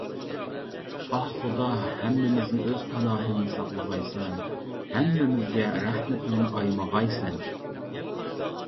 ئاھ خۇدا ھەممىمىزنى ئۆز پاناھىڭدا ساقلىغايسەن، ھەممىمىزگە رەھمىتىڭنى ئايىمىغايسەن.